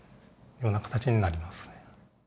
ような形になりますね。